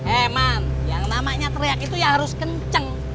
eh man yang namanya teriak itu ya harus kenceng